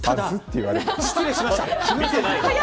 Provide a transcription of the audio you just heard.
失礼しました。